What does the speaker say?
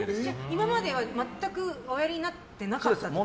今までは、全くおやりになってなかったってこと？